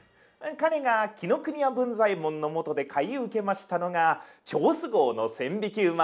彼が紀伊国屋文左衛門のもとで買い受けましたのが趙子昂の「千匹馬」。